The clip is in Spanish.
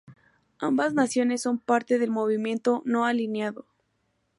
Ambas naciones son parte del Movimiento No Alineado.